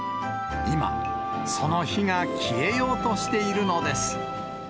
今、その火が消えようとしているのです。